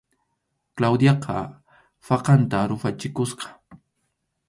Claudiaqa phakanta ruphachikusqa.